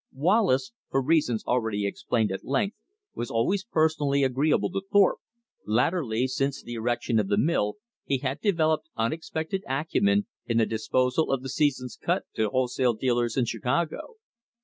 Wallace, for reasons already explained at length, was always personally agreeable to Thorpe. Latterly, since the erection of the mill, he had developed unexpected acumen in the disposal of the season's cut to wholesale dealers in Chicago.